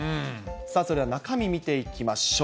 それでは中身、見ていきましょう。